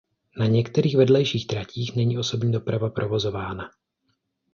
Na některých vedlejších tratích není osobní doprava provozována.